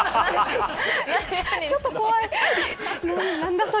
ちょっと怖い。